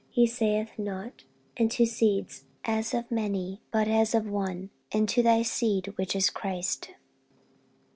He saith not, And to seeds, as of many; but as of one, And to thy seed, which is Christ.